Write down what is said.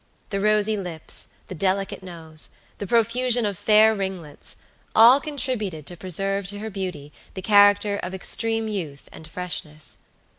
The rosy lips, the delicate nose, the profusion of fair ringlets, all contributed to preserve to her beauty the character of extreme youth and freshness.